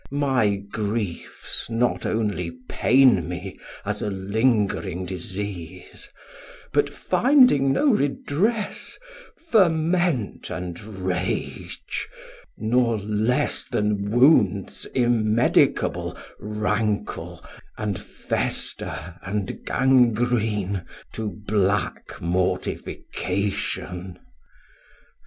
My griefs not only pain me As a lingring disease, But finding no redress, ferment and rage, Nor less then wounds immedicable 620 Ranckle, and fester, and gangrene, To black mortification.